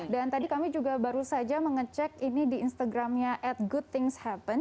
dan tadi kami juga baru saja mengecek ini di instagramnya at good things happen